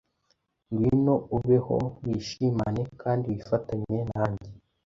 Ngwino ubeho, wishimane, kandi wifatanye nanjye,